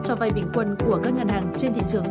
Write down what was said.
cho vay bình quân của các ngân hàng trên thị trường